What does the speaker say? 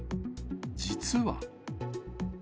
実は。